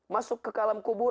masuk ke kalam kubur